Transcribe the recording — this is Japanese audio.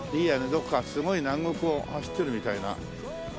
どこかすごい南国を走ってるみたいな。